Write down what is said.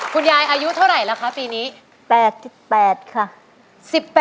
คุณยายอายุเท่าไหร่แล้วคะปีนี้